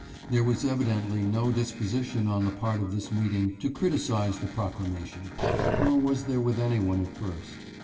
There was evidently no disposition on the part of this meeting to criticise the proclamation ; nor was there with any one at first.